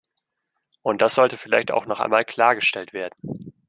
Und das sollte vielleicht auch noch einmal klargestellt werden!